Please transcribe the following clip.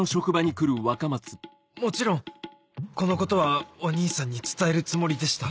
もちろんこのことはお義兄さんに伝えるつもりでした